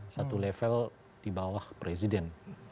satu level di bawah presiden